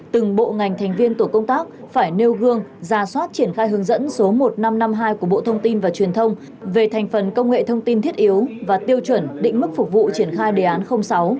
từng bộ ngành thành viên tổ công tác phải nêu gương ra soát triển khai hướng dẫn số một nghìn năm trăm năm mươi hai của bộ thông tin và truyền thông về thành phần công nghệ thông tin thiết yếu và tiêu chuẩn định mức phục vụ triển khai đề án sáu